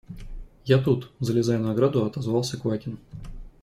– Я тут, – залезая на ограду, отозвался Квакин.